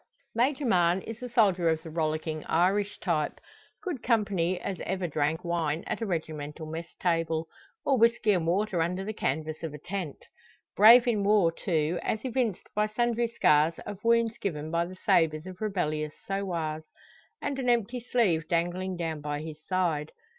Major Mahon is a soldier of the rollicking Irish type good company as ever drank wine at a regimental mess table, or whisky and water under the canvas of a tent. Brave in war, too, as evinced by sundry scars of wounds given by the sabres of rebellious sowars, and an empty sleeve dangling down by his side.